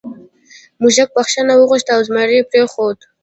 موږک بخښنه وغوښته او زمري پریښود.